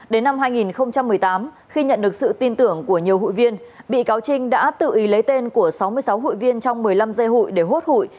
đến năm hai nghìn một mươi tám khi nhận được sự tin tưởng của nhiều hụi viên bị cáo trinh đã tự ý lấy tên của sáu mươi sáu hụi viên trong một mươi năm dây hụi để hốt hụi